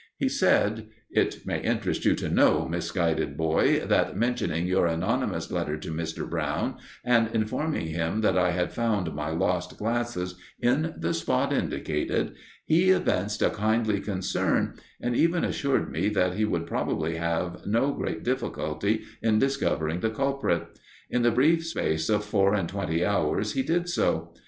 He said: "It may interest you to know, misguided boy, that mentioning your anonymous letter to Mr. Brown, and informing him that I had found my lost glasses in the spot indicated, he evinced a kindly concern, and even assured me that he would probably have no great difficulty in discovering the culprit. In the brief space of four and twenty hours he did so.